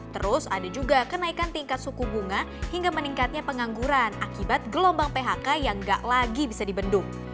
terus ada juga kenaikan tingkat suku bunga hingga meningkatnya pengangguran akibat gelombang phk yang gak lagi bisa dibendung